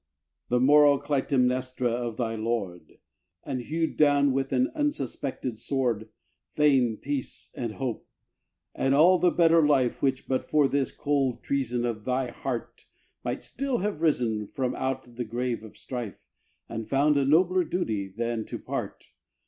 The moral Clytemnestra of thy lord, And hewed down, with an unsuspected sword, Fame, peace, and hope and all the better life Which, but for this cold treason of thy heart, Might still have risen from out the grave of strife, And found a nobler duty than to part.